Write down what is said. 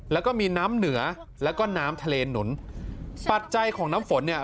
แล้วก็มีน้ำเหนือแล้วก็น้ำทะเลหนุนปัจจัยของน้ำฝนเนี่ย